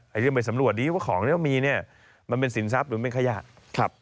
อันนี้ต้องไปสำรวจดีว่าของที่เขามีเนี่ยมันเป็นสินทรัพย์หรือเป็นขยะครับ